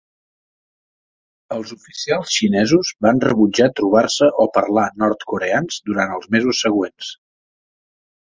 Els oficials xinesos van rebutjar trobar-se o parlar nord-coreans durant els mesos següents.